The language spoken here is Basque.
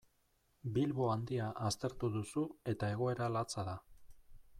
Bilbo Handia aztertu duzu eta egoera latza da.